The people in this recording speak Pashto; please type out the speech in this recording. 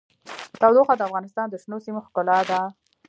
تودوخه د افغانستان د شنو سیمو ښکلا ده.